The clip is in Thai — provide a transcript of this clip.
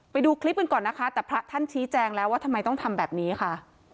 ไปดูคลิปกันก่อนนะคะแต่พระท่านชี้แจงแล้วว่าทำไมต้องทำแบบนี้ค่ะ